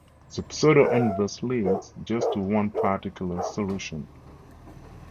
The pseudo-inverse leads just to one particular solution.